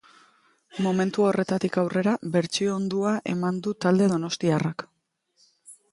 Momentu horretatik aurrera, bertsio ondua eman du talde donostiarrak.